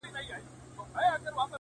نه خاطر گوري د وروڼو نه خپلوانو.!